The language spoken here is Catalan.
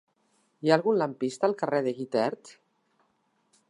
Hi ha algun lampista al carrer de Guitert?